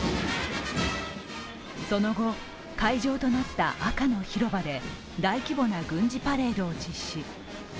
その後、会場となった赤の広場で大規模な軍事パレードを実施。